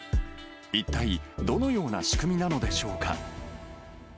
一体、どのような仕組みなのでしょうか。